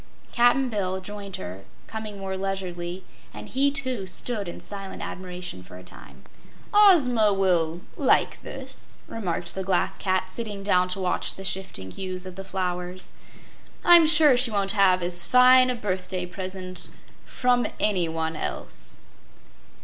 Cap'n Bill joined her, coming more leisurely, and he, too, stood in silent admiration for a time. "Ozma will like this," remarked the Glass Cat, sitting down to watch the shifting hues of the flowers. "I'm sure she won't have as fine a birthday present from anyone else."